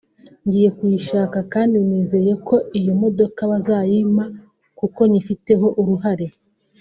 ngiye kubishaka kandi nizeye ko iyo modoka bazayimpa kuko nyifiteho uruhare